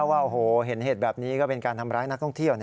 ว่าโอ้โหเห็นเหตุแบบนี้ก็เป็นการทำร้ายนักท่องเที่ยว